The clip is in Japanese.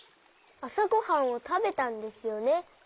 あさごはんをたべたんですよね。